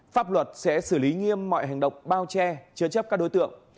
pháp luật sẽ xử lý nghiêm mọi hành động bao che chứa chấp các đối tượng